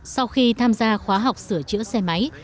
sau khi tham gia khóa học sửa chữa xe máy